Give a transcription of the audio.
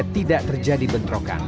tidak terjadi bentrokan